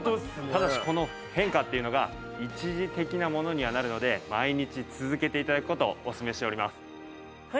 ただしこの変化っていうのが一時的なものにはなるので毎日続けて頂く事をおすすめしております。